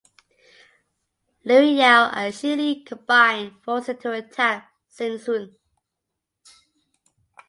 Liu Yao and Shi Le combined forces to attack Jin Zhun.